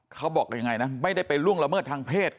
เขาบอกยังไงนะไม่ได้ไปล่วงละเมิดทางเพศ